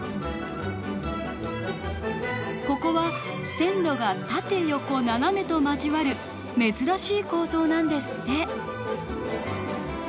ここは線路が縦横斜めと交わる珍しい構造なんですって。